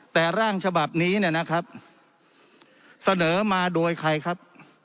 แต่ร่างฉบับนี้เนี่ยนะครับเสนอมาโดยใครครับ